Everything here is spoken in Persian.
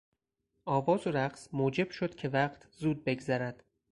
آواز و رقص موجب شد که وقت زود بگذرد.